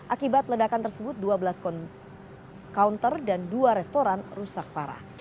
akibat ledakan tersebut dua belas counter dan dua restoran rusak parah